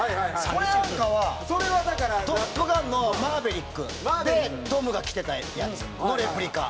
これなんかは『トップガン』の『マーヴェリック』でトムが着てたやつのレプリカ。